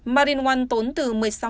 marine one tốn từ